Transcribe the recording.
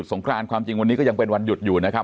งครานความจริงวันนี้ก็ยังเป็นวันหยุดอยู่นะครับ